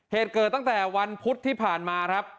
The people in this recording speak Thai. เหตุเกิดตั้งแต่วันพุธที่ผ่านมาครับ